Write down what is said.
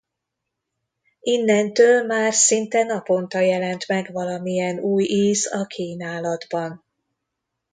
Innentől már szinte naponta jelent meg valamilyen új íz a kínálatban.